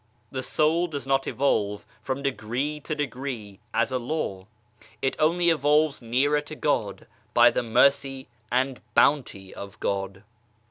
The soul does not evolve from degree to degree as a law it only evolves nearer to God, by the Mercy and Bounty of God.